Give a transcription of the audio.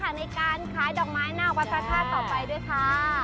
ในการขายดอกไม้หน้าวัดพระธาตุต่อไปด้วยค่ะ